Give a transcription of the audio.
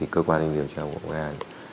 cơ quan an ninh điều tra bộ ngàn